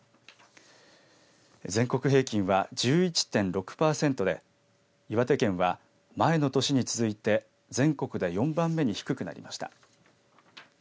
全国平均は１１．６パーセントで岩手県は前の年に続いて全国で４番目に低くなりました。